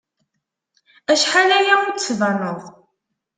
Acḥal aya ur d-tbaneḍ.